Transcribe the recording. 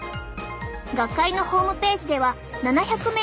学会のホームページでは７００名以上の相談